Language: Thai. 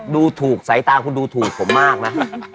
ดูถูกสายตาคุณดูถูกผมมากนะ